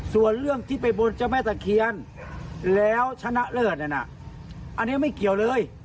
ส่วนเรื่องที่ไปบนเจ้าแม่ตะเคียนแล้วชนะเลิศนั่นน่ะอันนี้ไม่เกี่ยวเลย